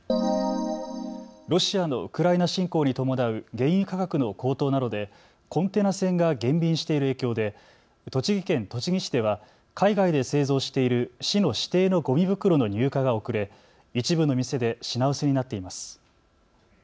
ロシアのウクライナ侵攻に伴う原油価格の高騰などでコンテナ船が減便している影響で栃木県栃木市では海外で製造している市の指定のごみ袋の入荷が遅れ、一部の店で品薄になっています。